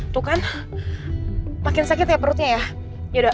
itu kan makin sakit ya perutnya ya